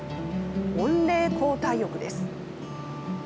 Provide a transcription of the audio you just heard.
温冷交代浴です。